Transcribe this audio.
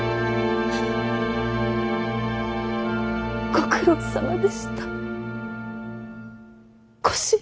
ご苦労さまでした小四郎。